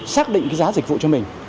xác định giá dịch vụ cho mình